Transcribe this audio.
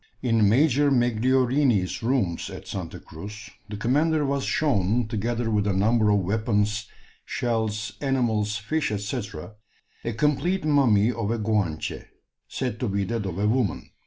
In Major Megliorini's rooms at Santa Cruz the commander was shown, together with a number of weapons, shells, animals, fish, &c., a complete mummy of a Guanche, said to be that of a woman.